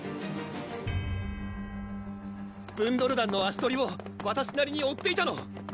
ブンドル団の足取りをわたしなりに追っていたの！